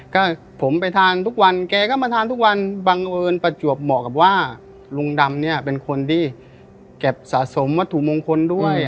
ก็ผมไปทานทุกวันแกก็มาทานทุกวันบังเอิญประจวบเหมาะกับว่าลุงดำเนี่ยเป็นคนที่เก็บสะสมวัตถุมงคลด้วย